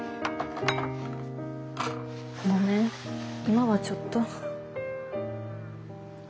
ごめん今はちょっと。